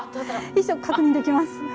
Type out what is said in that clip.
一緒確認できます。